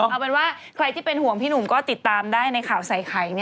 เอาเป็นว่าใครที่เป็นห่วงพี่หนุ่มก็ติดตามได้ในข่าวใส่ไข่